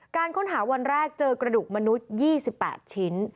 การค้นหาวันแรกเจอกระดูกมนุษย์๒๘ชิ้น